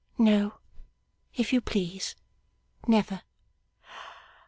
'No, if you please. Never.